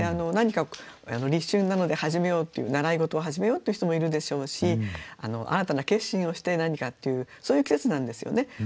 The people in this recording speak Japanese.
何か立春なので始めようっていう習い事を始めようっていう人もいるでしょうし新たな決心をして何かっていうそういう季節なんですよね。